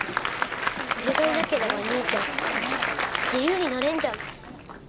俺がいなければ兄ちゃん自由になれんじゃん